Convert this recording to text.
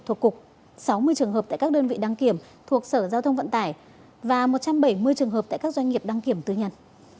cục đăng kiểm việt nam có sáu mươi trường hợp tại các đơn vị đăng kiểm thuộc sở giao thông vận tải và một trăm bảy mươi trường hợp tại các doanh nghiệp đăng kiểm tư nhân